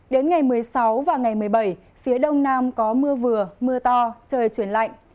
đến ngày một mươi sáu và ngày một mươi bảy phía đông nam có mưa vừa mưa to trời chuyển lạnh